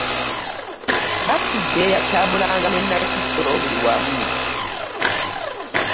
Basudde yatambulanga ne Nakitto buli wamu.